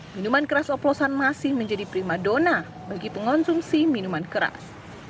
minuman keras oplosan masih menjadi prima dona bagi pengonsumsi minuman keras